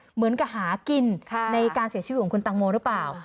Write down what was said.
เหมือนกับหากินในการเสียชีวิตของคุณตังโมหรือเปล่า